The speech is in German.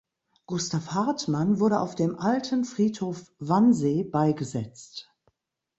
Gustav Hartmann wurde auf dem Alten Friedhof Wannsee beigesetzt.